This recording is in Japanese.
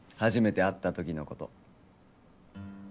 初めて会った時の事。